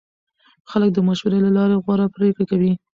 خلک د مشورې له لارې غوره پرېکړې کوي